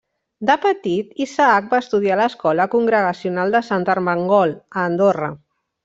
De petit, Isaac va estudiar a l'escola congregacional de Sant Ermengol, a Andorra.